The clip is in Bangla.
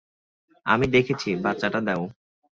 আমি দেখছি, বাচ্চাটা দেও।